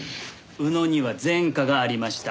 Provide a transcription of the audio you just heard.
宇野には前科がありました。